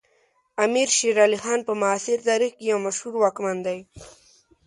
امیر شیر علی خان په معاصر تاریخ کې یو مشهور واکمن دی.